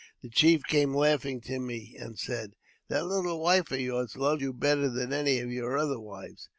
The chief came laughing to me, and said, " That little wife of yours loves you better than any of your other wives."